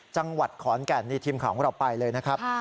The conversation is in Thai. จังหวัดขอนแก่นนี่ทีมข่าวของเราไปเลยนะครับ